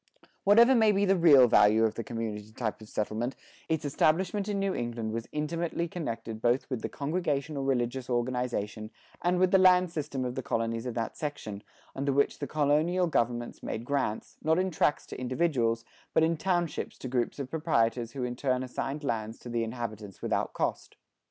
Whatever may be the real value of the community type of settlement, its establishment in New England was intimately connected both with the Congregational religious organization and with the land system of the colonies of that section, under which the colonial governments made grants not in tracts to individuals, but in townships to groups of proprietors who in turn assigned lands to the inhabitants without cost.